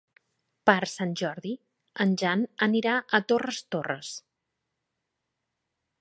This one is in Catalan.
Per Sant Jordi en Jan anirà a Torres Torres.